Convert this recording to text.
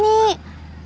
kita akan ke tanah